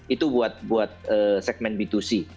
itu buat segmen b dua c